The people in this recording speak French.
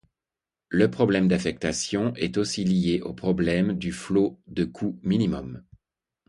Le problème d'affectation est aussi lié au problème du flot de coût minimum.